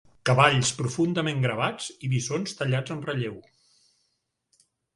Cavalls profundament gravats i bisons tallats en relleu.